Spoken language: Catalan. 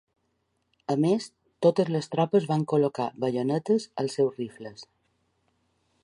A més totes les tropes van col·locar baionetes als seus rifles.